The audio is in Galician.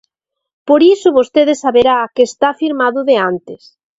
Por iso, vostede saberá que está firmado de antes.